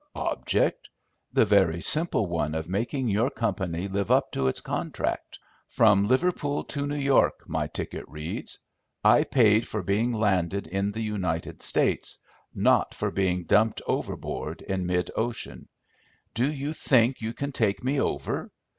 "Object? The very simple one of making your company live up to its contract. From Liverpool to New York, my ticket reads. I paid for being landed in the United States, not for being dumped overboard in mid ocean. Do you think you can take me over?